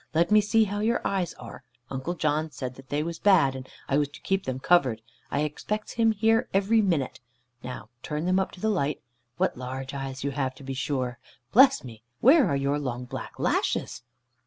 Let me see how your eyes are. Uncle John said they was bad, and I was to keep them covered. I expects him here every minute. Now turn them up to the light. What large eyes you have, to be sure. Bless me! Where are your long black lashes?"